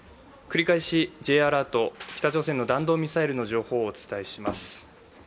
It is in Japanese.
繰り返しＪアラート、北朝鮮の弾道ミサイルの情報をお伝えします。